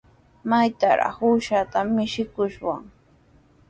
¿Maytrawraq uushata michikushwan?